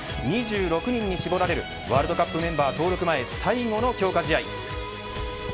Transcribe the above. ２６人に絞られるワールドカップメンバー登録前最後の強化試合。